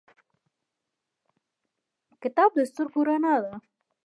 کتاب د سترګو رڼا ده